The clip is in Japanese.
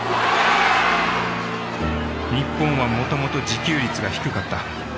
日本はもともと自給率が低かった。